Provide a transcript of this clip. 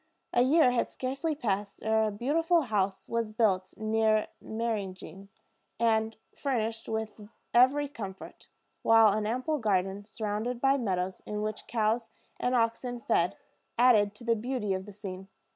A year had scarcely passed ere a beautiful house was built near Meyringen, and furnished with every comfort; while an ample garden, surrounded by meadows, in which cows and oxen fed, added to the beauty of the scene.